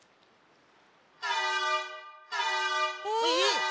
えっ！？